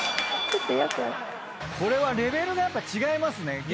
これはレベルがやっぱ違いますね。